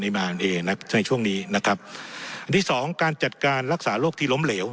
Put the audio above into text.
เอนะครับในช่วงนี้นะครับอันที่สองการจัดการรักษาโรคที่ล้มเหลว